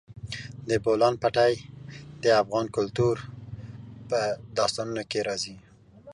د بولان پټي د افغان کلتور په داستانونو کې راځي.